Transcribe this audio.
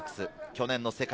去年の世界